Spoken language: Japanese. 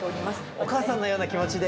お母さんのような気持ちで。